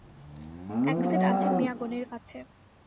এক সেট আছে মিয়া গনির কাছে।